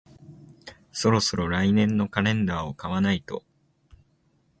そろそろ来年のカレンダーを買わないと